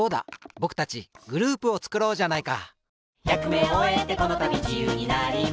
ぼくたちグループをつくろうじゃないか！